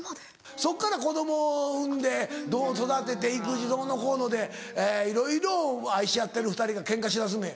そっから子供を産んでどう育てて行くどうのこうのでいろいろ愛し合ってる２人がケンカしだすねん。